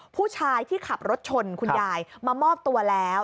ผู้ชายที่ขับรถชนคุณยายมามอบตัวแล้ว